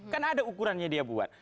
kan ada ukurannya dia buat